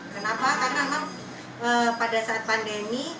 kenapa karena memang pada saat pandemi